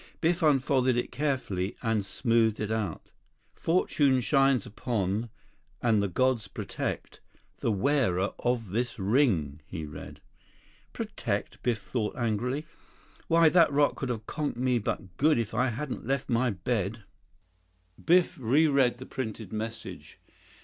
Biff unfolded it carefully and smoothed it out. "Fortune shines upon, and the gods protect, the wearer of this ring," he read. "'Protect!'" Biff thought angrily. "Why, that rock could have conked me but good if I hadn't left my bed." Biff reread the printed message.